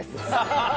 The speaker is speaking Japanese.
ハハハハ！